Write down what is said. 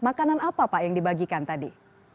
makanan apa pak yang dibagikan tadi